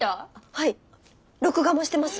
はい録画もしてます。